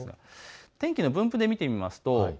天気の分布で見てみます。